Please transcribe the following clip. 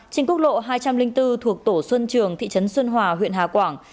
trên quốc lộ hai trăm linh bốn thuộc tổ xuân trường thị trấn xuân hòa huyện hà quảng